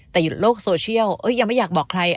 แต่อยู่โลกโซเชียลยังไม่อยากบอกใคร